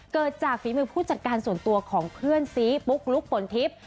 เกิดจากฝีมือผู้จัดการส่วนตัวของเพื่อนซีปุ๊กลุ๊กฝนทิพย์